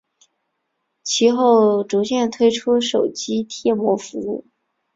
其后逐渐推出手机贴膜服务。